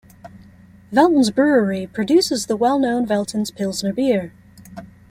Veltins brewery produces the well known Veltins Pilsener beer.